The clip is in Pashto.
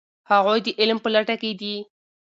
هغوی د علم په لټه کې دي.